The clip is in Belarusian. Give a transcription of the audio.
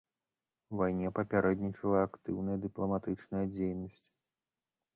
Вайне папярэднічала актыўная дыпламатычная дзейнасць.